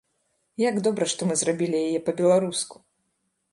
Як добра, што мы зрабілі яе па-беларуску!